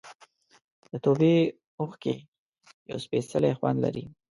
د توبې اوښکې یو سپېڅلی خوند لري.